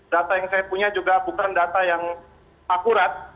data yang saya punya juga bukan data yang akurat